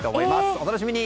お楽しみに！